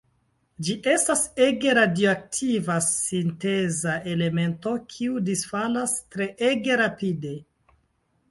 Ĝi estas ege radioaktiva sinteza elemento kiu disfalas treege rapide.